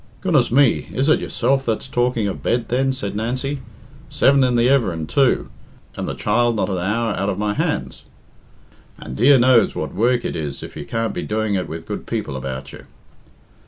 "Goodness me, is it yourself that's talking of bed, then?" said Nancy. "Seven in the everin', too, and the child not an hour out of my hands? And dear knows what work it is if you can't be doing it with good people about you."